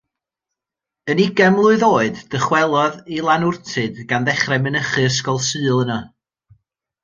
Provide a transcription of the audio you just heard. Yn ugain mlwydd oed dychwelodd i Lanwrtyd gan ddechrau mynychu Ysgol Sul yno.